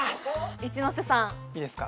一ノ瀬さんいいですか？